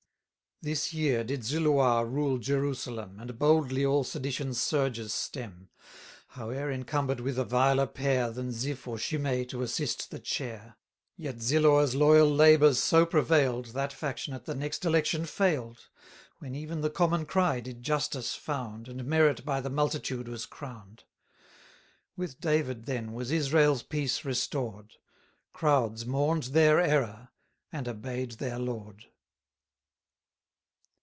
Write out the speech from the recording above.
1130 This year did Ziloah rule Jerusalem, And boldly all sedition's surges stem, Howe'er encumber'd with a viler pair Than Ziph or Shimei to assist the chair; Yet Ziloah's loyal labours so prevail'd, That faction at the next election fail'd, When even the common cry did justice found, And merit by the multitude was crown'd: With David then was Israel's peace restored, Crowds mourn'd their error, and obey'd their lord.